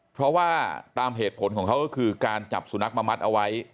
เพราะว่าตามเหตุผลของเขาก็คือการจับสุนัขมามัดเอาไว้